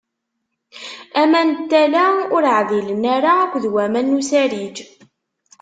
Aman n tala ur ɛdilen ara akked waman n usariǧ.